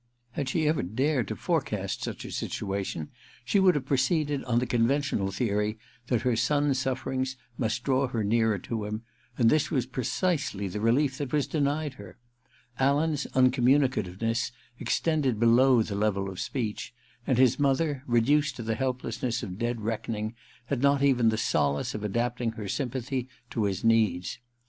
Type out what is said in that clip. Had she ever dared to forecast such a situation, she would have proceeded on the conventional theory that her son's suffering must draw her nearer to him ; and this was precisely the relief that was denied her. Alan's uncommunicativeness extended below the level of speech, and his mother, reduced to the helplessness of dead reckoning, 300 THE QUICKSAND in had not even the solace of adapting her sympathy to his needs.